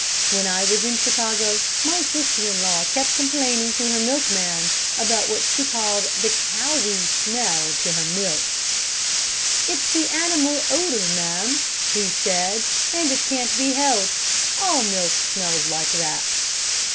When I was in Chicago, my sister in law kept complaining to her milkman about what she called the 'cowy' smell to her milk. 'It's the animal odor, ma'am,' he said, 'and it can't be helped. All milk smells like that.'